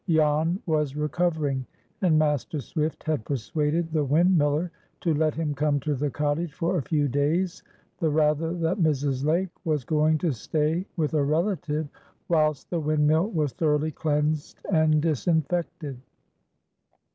Jan was recovering, and Master Swift had persuaded the windmiller to let him come to the cottage for a few days, the rather that Mrs. Lake was going to stay with a relative whilst the windmill was thoroughly cleansed and disinfected.